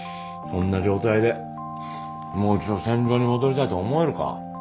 そんな状態でもう一度戦場に戻りたいと思えるか？